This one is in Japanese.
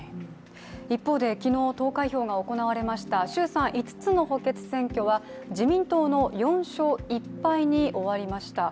一方で昨日、投開票が行われました衆参５つの統一選挙は自民党の４勝１敗に終わりました。